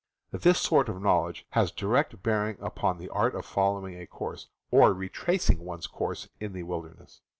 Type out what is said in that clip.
This sort of knowledge has direct bearing upon the art of following a course, or retracing one's course, in J, , the wilderness.